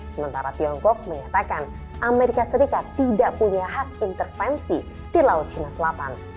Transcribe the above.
sementara tiongkok menyatakan amerika serikat tidak punya hak intervensi di laut cina selatan